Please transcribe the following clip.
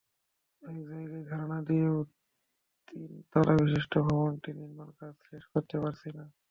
অনেক জায়গায় ধরনা দিয়েও তিনতলাবিশিষ্ট ভবনটির নির্মাণকাজ শেষ করতে পারছি না।